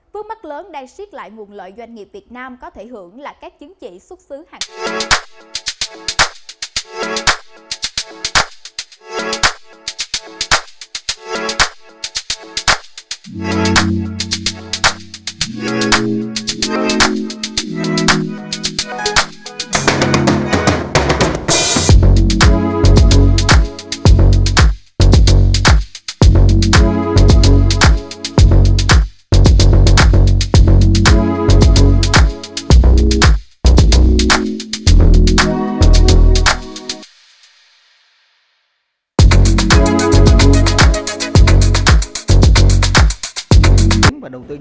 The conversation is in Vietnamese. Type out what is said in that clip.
phương mắc lớn đang xiết lại nguồn lợi doanh nghiệp việt nam có thể hưởng là các chính trị xuất xứ hàng tuần